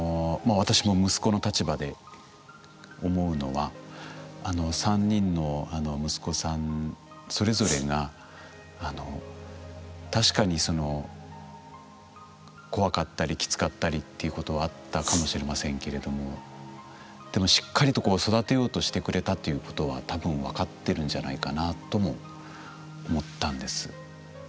私も息子の立場で思うのはあの３人の息子さんそれぞれが確かにその怖かったりきつかったりっていうことはあったかもしれませんけれどもでもしっかりと育てようとしてくれたっていうことはたぶんわかってるんじゃないかなとも思ったんです。